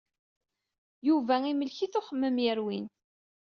Yuba yemlek-it uxemmem yerwin.